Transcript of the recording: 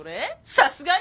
さすがに？